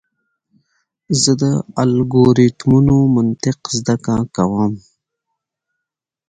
زه د الگوریتمونو منطق زده کوم.